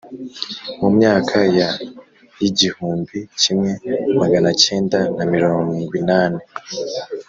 Mu myaka ya yigihumbi kimwe maganacyenda na mirongwinane